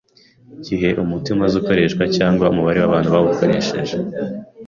Igihe umuti umaze ukoreshwa cg umubare wʼabantu bawukoresheje